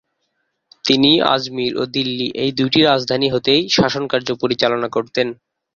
তিনি আজমির ও দিল্লী এই দুটি রাজধানী হতেই শাসনকার্য পরিচালনা করতেন।